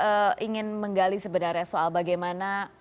saya ingin menggali sebenarnya soal bagaimana